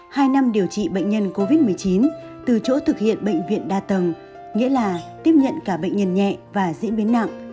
hai năm điều trị bệnh nhân covid một mươi chín từ chỗ thực hiện bệnh viện đa tầng nghĩa là tiếp nhận cả bệnh nhân nhẹ và diễn biến nặng